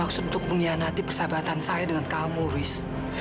bermaksud untuk mengianati persahabatan saya dengan kamu riz